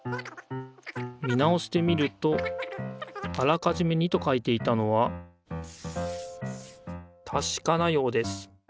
見直してみるとあらかじめ「２」と書いていたのはたしかなようです。